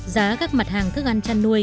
giá các mặt hàng thức ăn chân nuôi